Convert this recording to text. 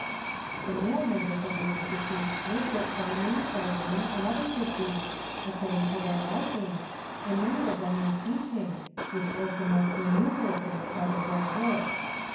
The male members of the institute worked at farming, gardening, and other pursuits, according to their liking, and many of them in teaching, which was the most remunerative part of their work.